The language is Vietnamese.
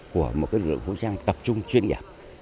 của một lực lượng vũ trang tập trung chuyên nghiệp